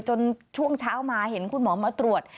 ช่วงเช้ามาเห็นคุณหมอมาตรวจ